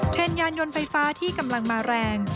ยานยนต์ไฟฟ้าที่กำลังมาแรง